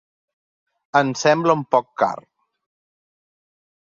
Em sembla un poc car.